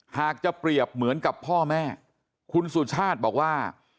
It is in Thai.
หากจะเปรียบเหมือนกับพ่อแม่คุณสุชาติบอกว่า